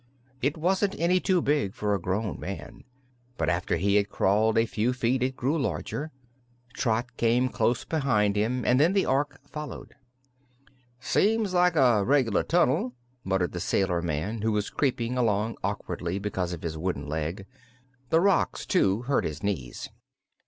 It wasn't any too big for a grown man, but after he had crawled a few feet it grew larger. Trot came close behind him and then the Ork followed. "Seems like a reg'lar tunnel," muttered the sailor man, who was creeping along awkwardly because of his wooden leg. The rocks, too, hurt his knees.